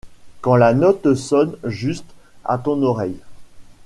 Quand la note sonne juste à ton oreille.